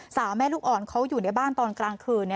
แม่ลูกอ่อนเขาอยู่ในบ้านตอนกลางคืน